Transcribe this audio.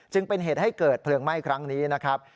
จึงเป็นเหตุให้เกิดเพลิงไหม้ครั้งนี้นะครับ